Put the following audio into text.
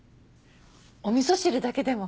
おみそ汁だけでも。